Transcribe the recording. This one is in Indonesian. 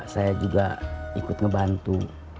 saya juga ikut ngebantu